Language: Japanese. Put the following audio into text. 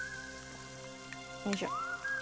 よいしょ。